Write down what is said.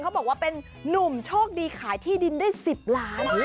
บอกว่าเป็นนุ่มโชคดีขายที่ดินได้๑๐ล้าน